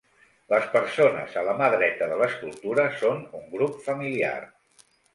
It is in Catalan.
Les persones a la mà dreta de l'escultura són un grup familiar.